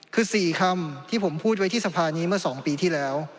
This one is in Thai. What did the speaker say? คือ๔คำที่ผมพูดไว้ที่สภานี้เมื่อ๒ปีที่แล้ว